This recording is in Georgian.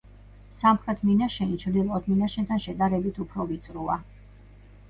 სამხრეთ მინაშენი ჩრდ მინაშენთან შედარებით უფრო ვიწროა.